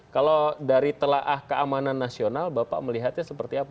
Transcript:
kalau dari telah keamanan nasional bapak melihatnya seperti apa